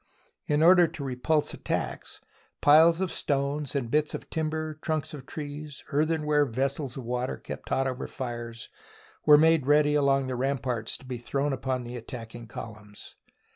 In order to repulse attacks, piles of stones and bits of timber, trunks of trees, earthen ware vessels of water kept hot over fires, were made ready along the ramparts to be thrown upon the attacking columns.